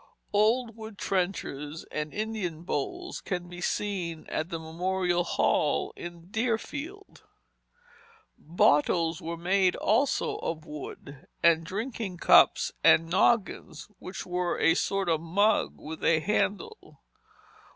Old wooden trenchers and "Indian bowls" can be seen at the Memorial Hall in Deerfield. Bottles were made also of wood, and drinking cups and "noggins," which were a sort of mug with a handle.